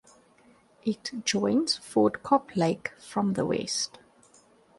It joins Fort Cobb Lake from the west.